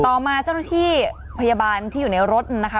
ต่อมาเจ้าหน้าที่พยาบาลที่อยู่ในรถนะคะ